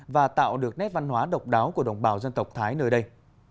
và tạo được nét văn hóa độc đáo của đồng bào dân tộc thái nơi đây